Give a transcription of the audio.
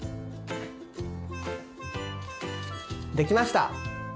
できました。